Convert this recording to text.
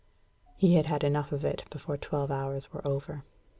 He had had enough of it before twelve hours were over.